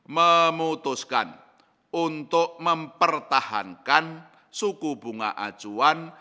memutuskan untuk mempertahankan suku bunga acuan